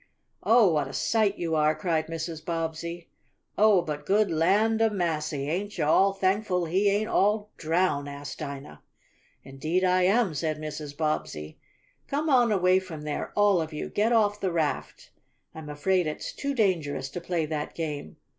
"Oh, what a sight you are!" cried Mrs. Bobbsey. "Oh, but good land of massy! Ain't yo' all thankful he ain't all drown?" asked Dinah. "Indeed I am," said Mrs. Bobbsey. "Come on away from there, all of you. Get off the raft! I'm afraid it's too dangerous to play that game.